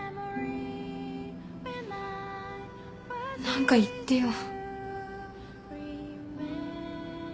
何か言ってよ。